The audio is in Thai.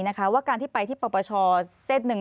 เพราะว่าการที่ไปที่ปรปชเซ็ตหนึ่ง